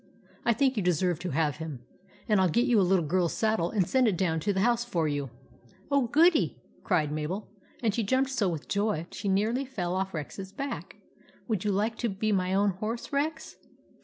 I think you deserve to have him. And I '11 get you a little girl's saddle and send it down to the house for you." "Oh, goody!" cried Mabel; and she jumped so with joy that she nearly fell off Rex's back. " Would you like to be my own horse, Rex